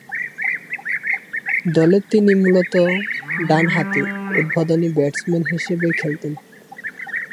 দলে তিনি মূলতঃ ডানহাতি উদ্বোধনী ব্যাটসম্যান হিসেবে খেলতেন!।